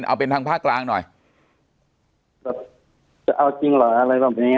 เอาจริงหรอบอกยังงี้ครับ